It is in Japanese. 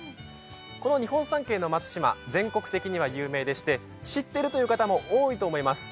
この日本三景の松島、全国的には有名でして知っているという方も多いと思います。